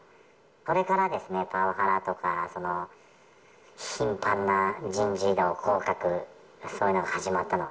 それからですね、パワハラとか、その頻繁な人事異動、降格、そういうのが始まったの。